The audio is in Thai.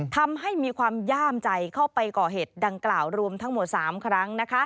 ทำให้มีความย่ามใจเข้าไปก่อเหตุดังกล่าวรวมทั้งหมด๓ครั้ง